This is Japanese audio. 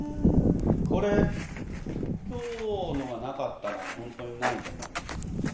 これ今日のがなかったらホントにないと思います。